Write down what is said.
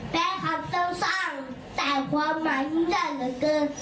แปลคำต้องสั่งแต่ความหมายที่จะเหลือเกิน